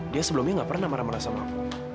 dia sebelumnya gak pernah marah marah sama aku